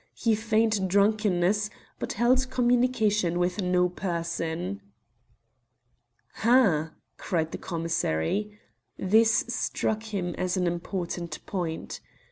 He feigned drunkenness, but held communication with no person." "Ha!" cried the commissary. This struck him as an important point.